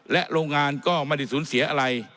และโรงงานก็ไม่ได้สูญเสียอะไร